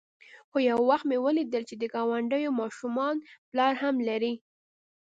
خو يو وخت مې وليدل چې د گاونډيو ماشومان پلار هم لري.